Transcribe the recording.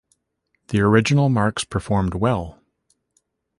The original marks performed well.